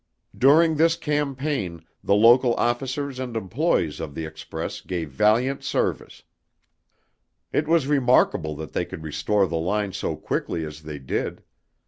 During this campaign, the local officers and employes of the express gave valiant service. It was remarkable that they could restore the line so quickly as they did.